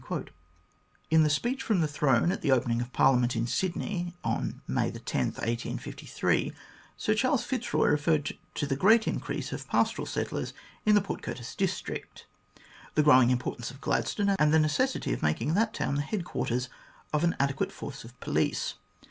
In the speech from the Throne at the opening of Parliament in Sydney, on May 10, 1853, Sir Charles Fitzroy referred to the great increase of pastoral settlers in the Port Curtis district, the growing importance of Gladstone, and the necessity of making that town the headquarters of an adequate force of police.